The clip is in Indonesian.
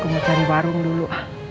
mau cari warung dulu